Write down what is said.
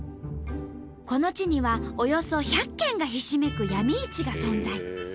この地にはおよそ１００軒がひしめく闇市が存在。